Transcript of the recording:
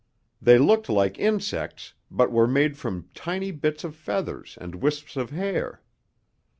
They looked like insects but were made from tiny bits of feathers and wisps of hair.